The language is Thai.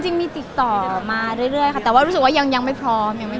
จริงมีติดต่อมาเรื่อยค่ะแต่ว่ารู้สึกว่ายังไม่พร้อมยังไม่